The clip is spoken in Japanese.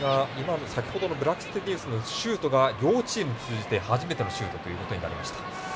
先ほどのブラクステニウスのシュートが両チーム通じて初めてのシュートということになりました。